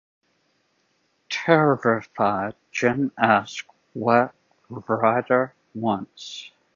Terrified, Jim asks what Ryder wants.